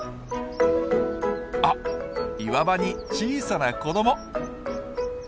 あっ岩場に小さな子ども！